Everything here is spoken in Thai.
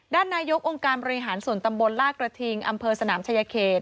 ด้านนายกองค์การบริหารส่วนตำบลลากระทิงอำเภอสนามชายเขต